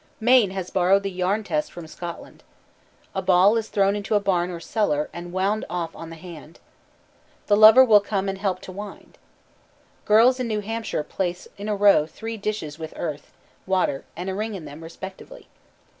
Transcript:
Maine has borrowed the yarn test from Scotland. A ball is thrown into a barn or cellar, and wound off on the hand. The lover will come and help to wind. Girls in New Hampshire place in a row three dishes with earth, water, and a ring in them, respectively.